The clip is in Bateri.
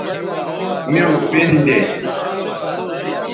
میوں پِن دے